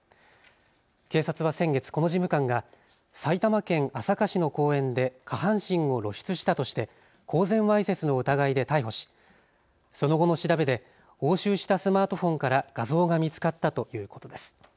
警察は先月、この事務官が埼玉県朝霞市の公園で下半身を露出したとして公然わいせつの疑いで逮捕しその後の調べで押収したスマートフォンから画像が見つかったということです。